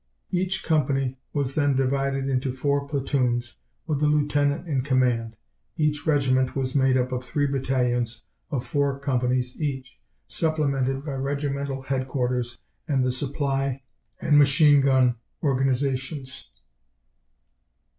Each company was then divided into 4 platoons, with a lieutenant in command. Each regiment was made up of 3 battalions of 4 companies each, supplemented by regimental headquarters and the supply and machine gun organizations.